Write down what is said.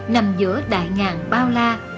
nằm giữa đại ngàn bao la